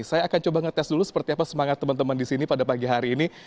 saya akan coba ngetes dulu seperti apa semangat teman teman di sini pada pagi hari ini